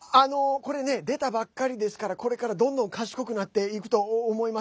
これ、出たばっかりですからこれからどんどん賢くなっていくと思います。